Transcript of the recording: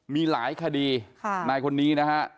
มีหลายคดีนายคนนี้นะฮะ